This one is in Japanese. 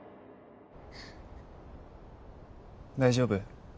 大丈夫？